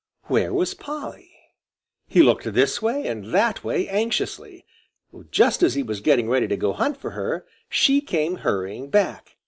Where was Polly? He looked this way and that way anxiously. Just as he was getting ready to go hunt for her, she came hurrying back.